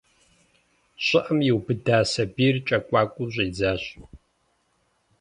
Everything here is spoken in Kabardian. ЩӀыӀэм иубыда сабийр кӀэкуакуэу щӀидзащ.